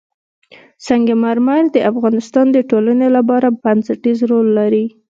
سنگ مرمر د افغانستان د ټولنې لپاره بنسټيز رول لري.